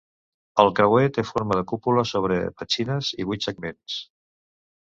El creuer té forma de cúpula sobre petxines i vuit segments.